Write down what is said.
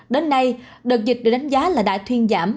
đến nay đợt dịch được đánh giá là đã thuyên giảm